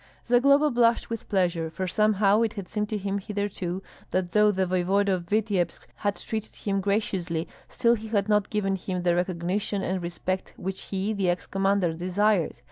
Zagloba blushed with pleasure, for somehow it had seemed to him hitherto that though the voevoda of Vityebsk had treated him graciously, still he had not given him the recognition and respect which he, the ex commander, desired.